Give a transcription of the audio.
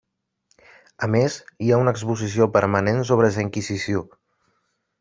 A més, hi ha una exposició permanent sobre la Inquisició.